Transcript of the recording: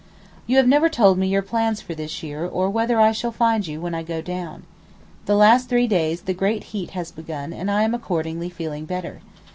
You have never told me your plans for this year or whether I shall find you when I go down. The last three days the great heat has begun and I am accordingly feeling better.